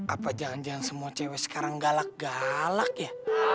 apa jangan jangan semua cewek sekarang galak galak ya